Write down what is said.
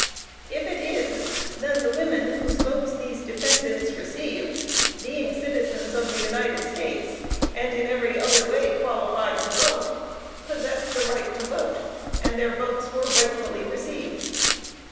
If it is, then the women whose votes these defendants received, being citizens of the United States, and in every other way qualified to vote, possessed the right to vote, and their votes were rightfully received.